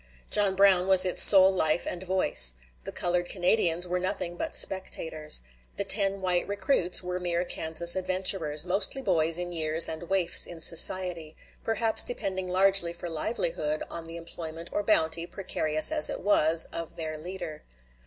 John Brown was its sole life and voice. The colored Canadians were nothing but spectators. The ten white recruits were mere Kansas adventurers, mostly boys in years and waifs in society, perhaps depending largely for livelihood on the employment or bounty, precarious as it was, of their leader.